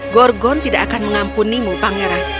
gorgon tidak akan mengampunimu pangeran